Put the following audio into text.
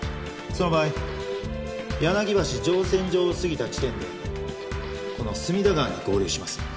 その場合柳橋乗船場を過ぎた地点でこの隅田川に合流します。